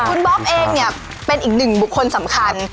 คุณบ๊อบเองเนี่ยเป็นอีกหนึ่งบุคคลสำคัญ